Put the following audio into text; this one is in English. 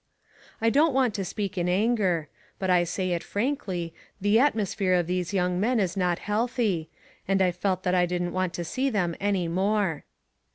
I don't want to speak in anger. But I say it frankly, the atmosphere of these young men is not healthy, and I felt that I didn't want to see them any more.